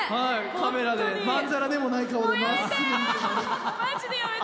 カメラにまんざらでもない顔で真っすぐ見て。